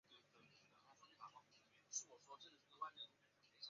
吊丝竹为禾本科牡竹属下的一个种。